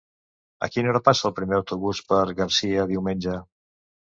A quina hora passa el primer autobús per Garcia diumenge?